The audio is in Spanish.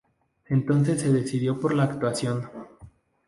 Entonces se decidió por la actuación.